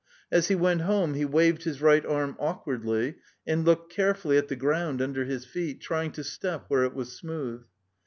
As he went home he waved his right arm awkwardly and looked carefully at the ground under his feet, trying to step where it was smooth.